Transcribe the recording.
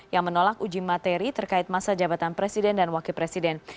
yang menolak uji materi terkait masa jabatan presiden dan wakil presiden